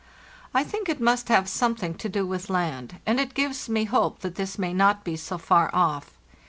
I think it must have something to do with land, and it gives me hope that this may not be so far off.